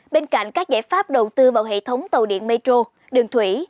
bên cạnh các giải pháp đầu tư vào hệ thống tàu điện metro đường thủy